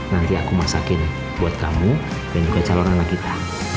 nanti aku masakin buat kamu dan juga calon anak kita